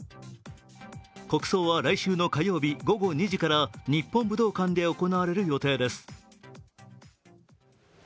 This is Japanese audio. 国葬は来週の火曜日午後２時から日本武道館で行われる予定です。